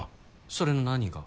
それの何が？